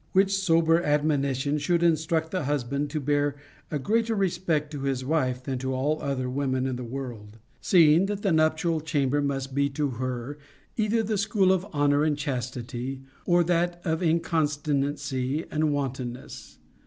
Which sober admonition should instruct the hus band to bear a greater respect to his wife than to all other women in the world, seeing that the nuptial chamber must be to her either the school of honor and chastity or that of incontinency and wantonness.